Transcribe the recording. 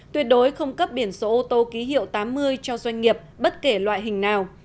tuyệt đối không cấp biển số ô tô ký hiệu tám mươi cho doanh nghiệp bất kể loại hình nào